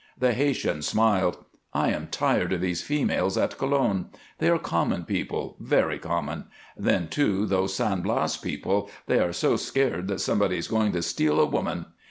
The Haytian smiled. "I am tired of these females at Colon. They are common people very common. Then, too, those San Blas people, they are so scared that somebody is going to steal a woman!